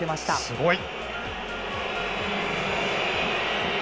すごい。